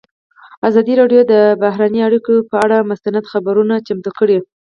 ازادي راډیو د بهرنۍ اړیکې پر اړه مستند خپرونه چمتو کړې.